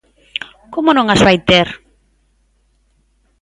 Como non as vai ter?